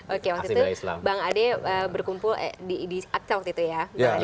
oke waktu itu bang ade berkumpul di idi aksa waktu itu ya